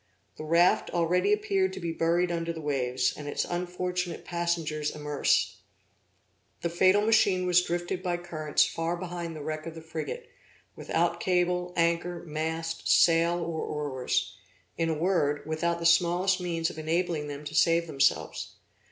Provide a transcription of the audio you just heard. The raft already appeared to be buried under the waves, and its unfortunate passengers immersed. The fatal machine was drifted by currents far behind the wreck of the frigate; without cable, anchor, mast, sail or oars; in a word, without the smallest means of enabling them to save themselves.